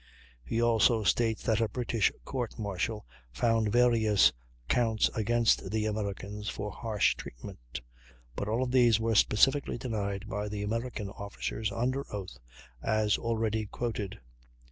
He also states that a British court martial found various counts against the Americans for harsh treatment, but all of these were specifically denied by the American officers, under oath, as already quoted.